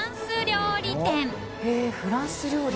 へぇっフランス料理。